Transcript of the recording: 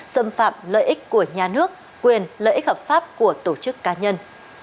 xâm phạm lợi ích của nhà nước quyền lợi ích hợp pháp của tổ chức cá nhân